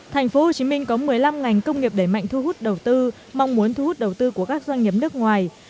thành phố hồ chí minh có một mươi năm ngành công nghiệp đẩy mạnh thu hút đầu tư mong muốn thu hút đầu tư của các doanh nghiệp nước ngoài